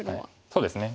そうですね。